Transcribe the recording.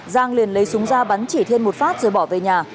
giang liền lấy súng ra bắn chỉ thiên một phát rồi bỏ về nhà